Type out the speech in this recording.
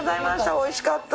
おいしかった！